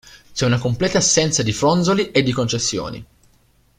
C'è una completa assenza di fronzoli e di concessioni.